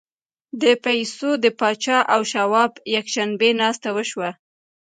د پیسو د پاچا او شواب یکشنبې ناسته وشوه